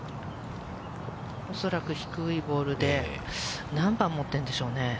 恐らく低いボールで、何番持ってるんでしょうね。